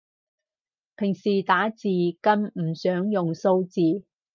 平時打字更唔想用數字